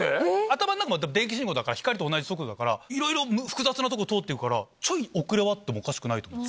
頭の中も電気信号だから光と同じ速度だからいろいろ複雑なとこ通ってるからちょい遅れはあってもおかしくないと思う。